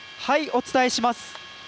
お伝えします。